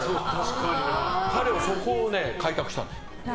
彼はそこを開拓したんです。